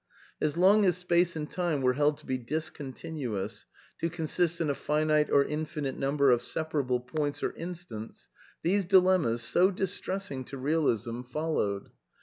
As long as space and time were held to be discontinuous, to consist in a finite or infinite number of separable points or instants, these dilemmas, so distressing to Bealism, fol lowed.